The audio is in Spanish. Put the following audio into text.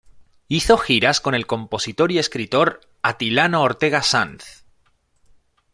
Hizo giras con el compositor y escritor Atilano Ortega Sanz.